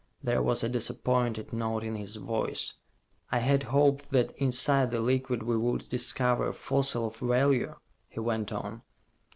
There was a disappointed note in his voice "I had hoped that inside the liquid we would discover a fossil of value," he went on.